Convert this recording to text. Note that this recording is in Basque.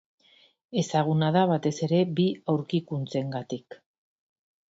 Ezaguna da batez ere bi aurkikuntzengatik.